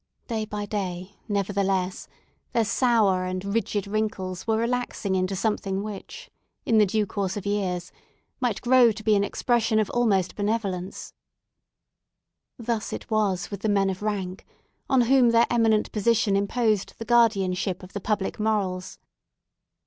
Day by day, nevertheless, their sour and rigid wrinkles were relaxing into something which, in the due course of years, might grow to be an expression of almost benevolence. Thus it was with the men of rank, on whom their eminent position imposed the guardianship of the public morals.